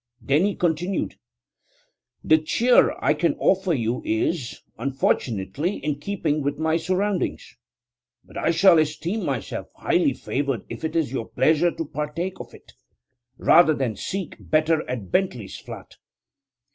Then he continued: 'The cheer I can offer you is, unfortunately, in keeping with my surroundings; but I shall esteem myself highly favoured if it is your pleasure to partake of it, rather than seek better at Bentley's Flat.'